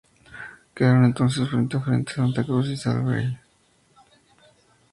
Quedaron entonces frente a frente Santa Cruz y Salaverry.